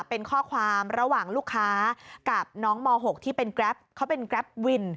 เป็นข้อความระหว่างลูกค้ากับน้องม๖ที่เป็นแกรปเขาเป็นแกรปวิน